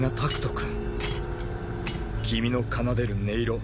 君の奏でる音色